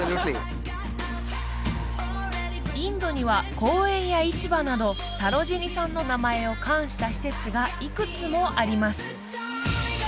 インドには公園や市場などサロジニさんの名前を冠した施設がいくつもあります